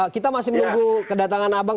kita masih menunggu kedatangan abang